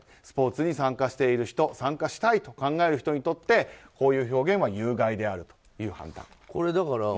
スポーツに参加している人参加したいと考えている人にとりこういう表現は有害であるという判断。